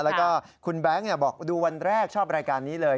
แล้วก็คุณแบงค์บอกดูวันแรกชอบรายการนี้เลย